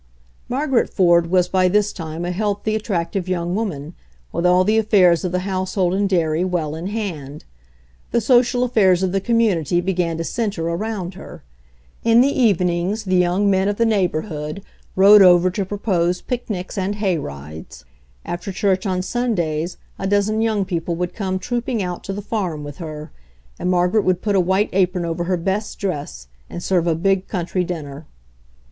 Margaret Ford was by this time a healthy, at tractive young woman, with all the affairs of the household and dairy well in hand. The social affairs of the community began to center around her. In the evenings the young men of the neighborhood rode over to propose picnics and hay rides; after church on Sundays a dozen young people would come trooping out to the farm with her, and Margaret would put a white apron over her best dress and serve a big coun try dinner.